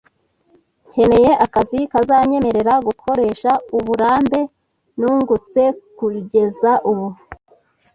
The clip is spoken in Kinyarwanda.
nkeneye akazi kazanyemerera gukoresha uburambe nungutse kugeza ubu.